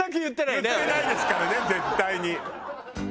言ってないですからね絶対に。